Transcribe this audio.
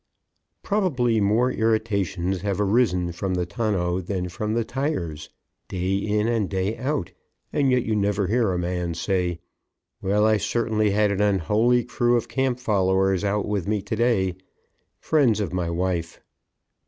Probably more irritations have arisen from the tonneau than from the tires, day in and day out, and yet you never hear a man say, "Well, I certainly had an unholy crew of camp followers out with me to day friends of my wife."